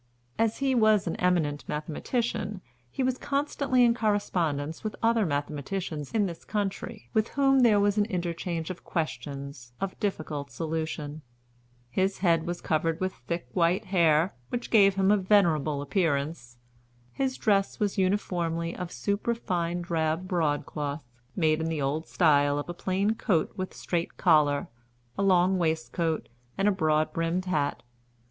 As he was an eminent mathematician, he was constantly in correspondence with other mathematicians in this country, with whom there was an interchange of questions of difficult solution. His head was covered with thick white hair, which gave him a venerable appearance. His dress was uniformly of superfine drab broadcloth, made in the old style of a plain coat with strait collar, a long waistcoat, and a broad brimmed hat.